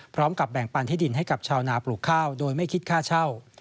พร้อมกับแบ่งปันที่ดินให้กับชาวนาปลูกข้าวโดยไม่คิดค่าเช่า